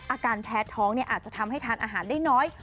อาการแพ้ท้องอาจจะทำให้ทานอาหารได้น้อย